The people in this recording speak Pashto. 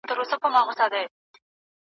انټرنیټ د هر عمر خلکو ته زده کړه ورکوي.